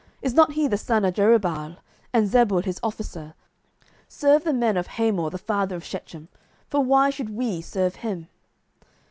is not he the son of Jerubbaal? and Zebul his officer? serve the men of Hamor the father of Shechem: for why should we serve him?